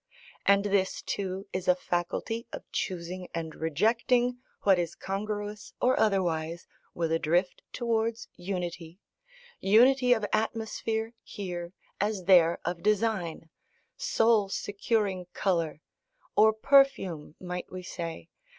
And this too is a faculty of choosing and rejecting what is congruous or otherwise, with a drift towards unity unity of atmosphere here, as there of design soul securing colour (or perfume, might we say?)